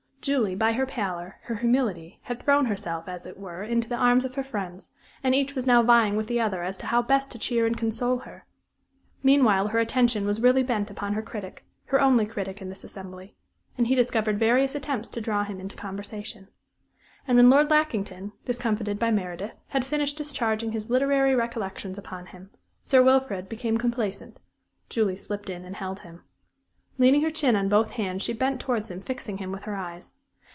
Julie, by her pallor, her humility, had thrown herself, as it were, into the arms of her friends, and each was now vying with the other as to how best to cheer and console her. Meanwhile her attention was really bent upon her critic her only critic in this assembly; and he discovered various attempts to draw him into conversation. And when Lord Lackington, discomfited by Meredith, had finished discharging his literary recollections upon him, Sir Wilfrid became complaisant; Julie slipped in and held him. Leaning her chin on both hands, she bent towards him, fixing him with her eyes.